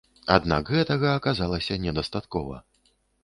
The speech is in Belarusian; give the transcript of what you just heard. Аднак гэтага аказалася недастаткова.